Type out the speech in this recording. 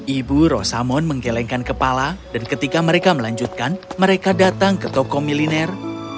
ibu rosamon menggelengkan kepala dan ketika mereka melanjutkan mereka datang ke toko militer